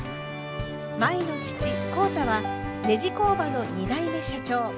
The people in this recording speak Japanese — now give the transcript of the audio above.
舞の父浩太はネジ工場の２代目社長。